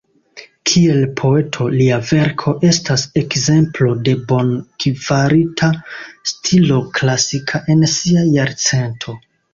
Kiel poeto, lia verko estas ekzemplo de bonkvalita stilo klasika en sia jarcento.